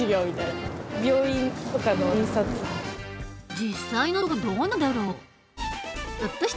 実際のところどうなんだろう？